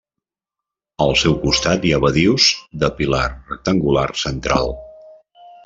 Al seu costat hi ha badius de pilar rectangular central.